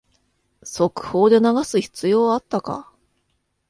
速報で流す必要あったか